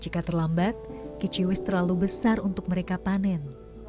jika terlambat kiciwis terlalu besar untuk mereka panen